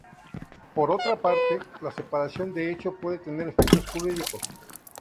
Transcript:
Por otra parte, la separación de hecho puede tener efectos jurídicos.